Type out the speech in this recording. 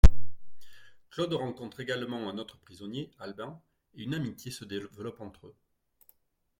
Claude rencontre également un autre prisonnier, Albin, et une amitié se développe entre eux.